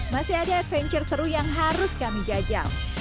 masih ada adventure seru yang harus kami jajal